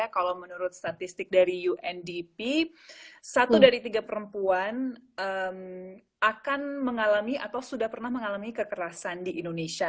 kalau menurut statistik dari undp satu dari tiga perempuan akan mengalami atau sudah pernah mengalami kekerasan di indonesia